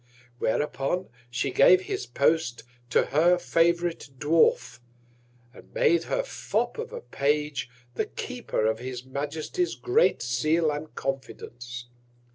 Whereupon she gave his Post to her favourite Dwarf, and made her Fop of a Page the Keeper of his Majesty's great Seal, and Confidence.